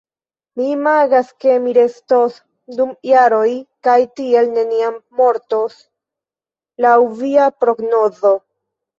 Mi imagas, ke mi restos dum jaroj kaj tiel neniam mortos laŭ via prognozo.